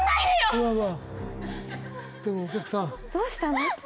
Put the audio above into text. うわうわでもお客さんどうしたの？